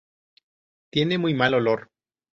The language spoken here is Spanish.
Tiene muy mal olor.